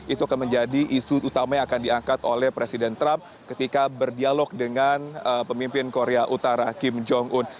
itu akan menjadi isu utama yang akan diangkat oleh presiden trump ketika berdialog dengan pemimpin korea utara kim jong un